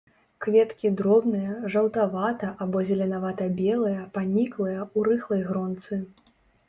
Кветкі дробныя, жаўтавата- або зеленавата-белыя, паніклыя, у рыхлай гронцы.